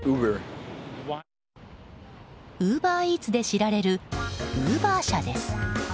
ウーバーイーツで知られるウーバー社です。